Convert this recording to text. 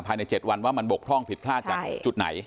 ภายใน๗วันว่ามันบกพร่องผิดพลาดจากจุดไหน